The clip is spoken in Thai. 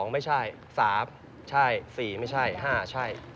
ไม่ใช่๓ใช่๔ไม่ใช่๕ใช่